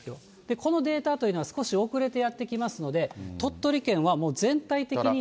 このデータというのは少し遅れてやってきますので、鳥取県はもう全体的に。